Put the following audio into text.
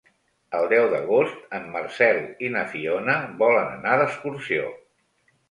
El deu d'agost en Marcel i na Fiona volen anar d'excursió.